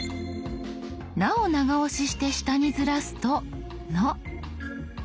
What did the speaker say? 「な」を長押しして下にずらすと「の」。